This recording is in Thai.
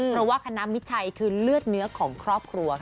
เพราะว่าคณะมิชัยคือเลือดเนื้อของครอบครัวค่ะ